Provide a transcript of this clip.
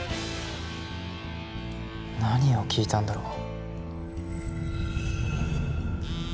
何を聞いたんだろう。